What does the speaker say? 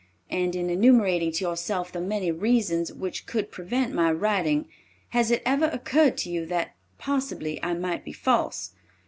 And in enumerating to yourself the many reasons which could prevent my writing, has it ever occurred to you that possibly I might be false?